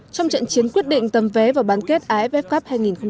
trong trận chiến quyết định tấm vé vào bán kết aff cup hai nghìn một mươi tám